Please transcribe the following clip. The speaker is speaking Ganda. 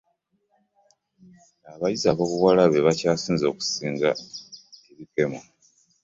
Abayizi ab'obuwala bebakyasinze okusanga ebikemo.